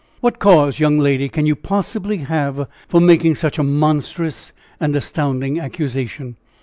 "What cause, young lady, can you possibly have for making such a monstrous and astounding accusation?"